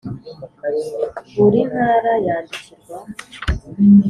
Buri ntara yandikirwa